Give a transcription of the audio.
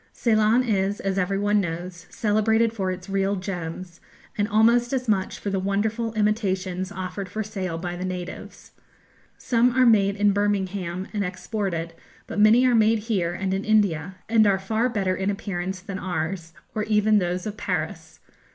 Ceylon is, as every one knows, celebrated for its real gems, and almost as much for the wonderful imitations offered for sale by the natives. Some are made in Birmingham and exported, but many are made here and in India, and are far better in appearance than ours, or even those of Paris.